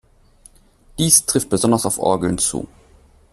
Dies trifft besonders auf Orgeln zu.